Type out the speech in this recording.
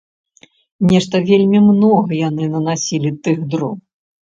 Нешта вельмі многа яны нанасілі тых дроў.